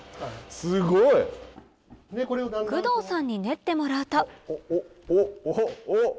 すごい！工藤さんに練ってもらうとおっおっ。